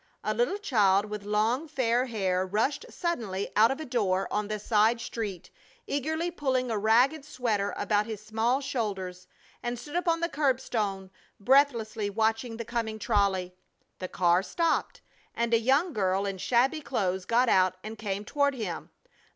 A little child with long, fair hair rushed suddenly out of a door on the side street, eagerly pulling a ragged sweater about his small shoulders, and stood upon the curbstone, breathlessly watching the coming trolley. The car stopped, and a young girl in shabby clothes got out and came toward him.